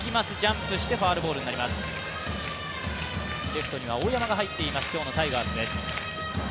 レフトには大山が入っています、今日のタイガースです。